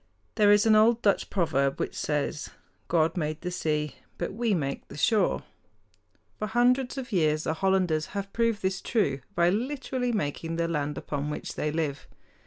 There is an old Dutch proverb which says, "God made the sea; but we make the shore." For hundreds of years the Hollanders have proved this true by literally making the land upon which they live.